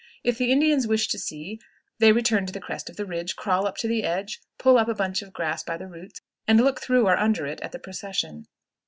If the Indians wish to see, they return to the crest of the ridge, crawl up to the edge, pull up a bunch of grass by the roots, and look through or under it at the procession."